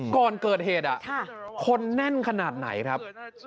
ก่อนเกิดเหตุคนแน่นขนาดไหนครับ